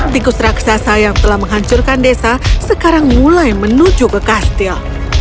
tikus raksasa yang telah menghancurkan desa sekarang mulai menuju ke kastil